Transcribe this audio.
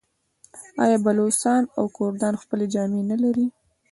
آیا بلوڅان او کردان خپلې جامې نلري؟